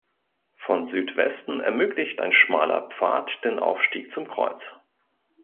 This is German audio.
Von Südwesten ermöglicht ein schmaler Pfad den Aufstieg zum Kreuz.